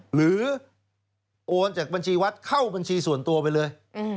หรือโอนจากบัญชีวัดเข้าบัญชีส่วนตัวไปเลย